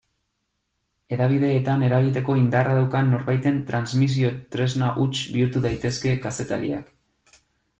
Hedabideetan eragiteko indarra daukan norbaiten transmisio-tresna huts bihur daitezke kazetariak.